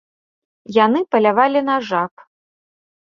Яны палявалі на жаб.